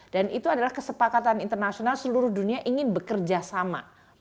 dan itu adalah kesepakatan internasional seluruh dunia ingin bekerja sama